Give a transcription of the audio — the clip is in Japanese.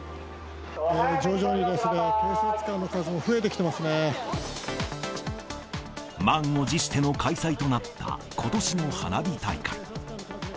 徐々にですね、警察官の数も満を持しての開催となった、ことしの花火大会。